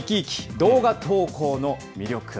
動画投稿の魅力。